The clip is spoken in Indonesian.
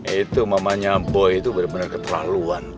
itu mamanya boy itu bener bener keterlaluan